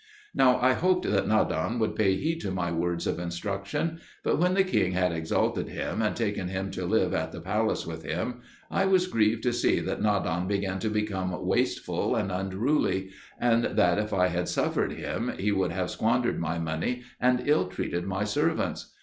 Now I hoped that Nadan would pay heed to my words of instruction; but when the king had exalted him, and taken him to live at the palace with him, I was grieved to see that Nadan began to become wasteful and unruly, and that, if I had suffered him, he would have squandered my money and ill treated my servants.